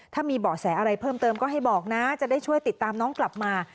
ถ้ามีเบาะแสอะไรเพิ่มเติมก็ให้บอกนะจะได้ช่วยติดตามน้องกลับมา